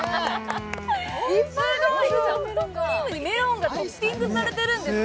すごい、ソフトクリームにメロンがトッピングされているんですね。